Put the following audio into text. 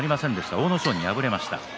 阿武咲に敗れました。